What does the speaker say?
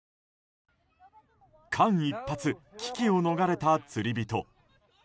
間一髪、危機を逃れた釣り人。